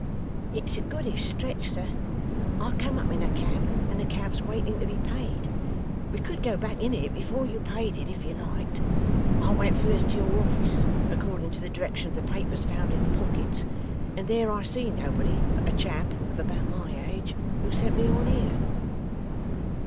'It's a goodish stretch, sir. I come up in a cab, and the cab's waiting to be paid. We could go back in it before you paid it, if you liked. I went first to your office, according to the direction of the papers found in the pockets, and there I see nobody but a chap of about my age who sent me on here.